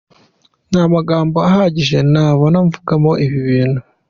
Nta magambo ahagije nabona mvugamo ibi bintu.